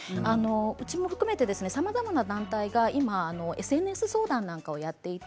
うちも含めてさまざまな団体がＳＮＳ相談なんかをやっています。